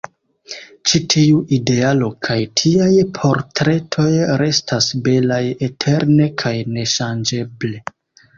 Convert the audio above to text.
Ĉi tiu idealo kaj tiaj portretoj restas belaj eterne kaj neŝanĝeble.